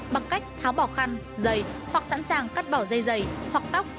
bằng cách tháo bỏ khăn dày hoặc sẵn sàng cắt bỏ dây dày hoặc tóc